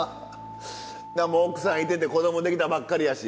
奥さんいてて子供できたばっかりやし。